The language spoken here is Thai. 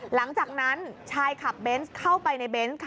หลังจากนั้นชายขับเบนส์เข้าไปในเบนส์ค่ะ